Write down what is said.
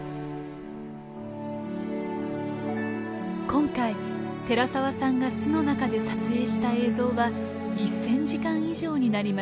今回寺沢さんが巣の中で撮影した映像は１，０００時間以上になります。